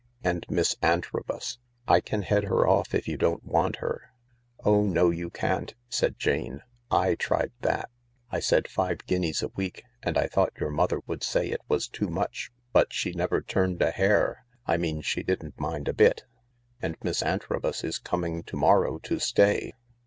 And Miss Antrobus, I can head her off if you don't want her." " OhnO, you can V'said J an e. " J tried that. I said five guineas a week, and I thought your mother would say it was too much, but she never turned a hair — I mean she didn't mind a bit. And Miss Antrobus is coming to morrow to stay.